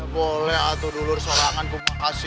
boleh atu dulur sorangan kumakasih